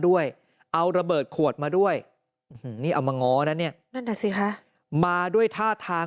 ด้วยเอาระเบิดขวดมาด้วยนี่เอามาง้อนะเนี่ยมาด้วยท่าทาง